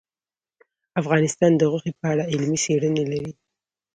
افغانستان د غوښې په اړه علمي څېړنې لري.